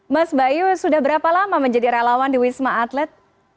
mas bayu sudah berapa lama menjadi relawan di wisma atlet